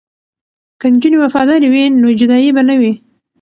که نجونې وفادارې وي نو جدایی به نه وي.